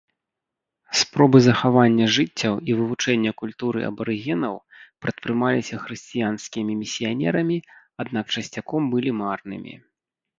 Спробы захавання жыццяў і вывучэння культуры абарыгенаў прадпрымаліся хрысціянскімі місіянерамі, аднак часцяком былі марнымі.